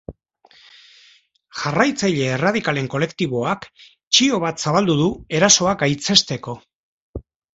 Jarraitzaile erradikalen kolektiboak txio bat zabaldu du erasoa gaitzesteko.